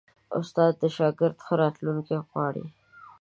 استاد د شاګرد ښه راتلونکی غواړي.